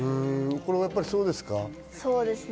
これはやっぱりそうですか？